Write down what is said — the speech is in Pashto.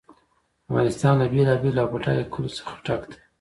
افغانستان له بېلابېلو او بډایه کلیو څخه ډک دی.